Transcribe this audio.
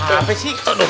apa sih kau dong